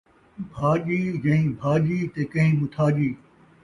بھاڄی جہیں بھاڄی تے کیہیں متھاجی